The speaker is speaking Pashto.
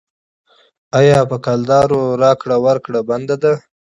آیا په کلدارو راکړه ورکړه بنده ده؟